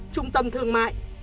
trung tâm thương mại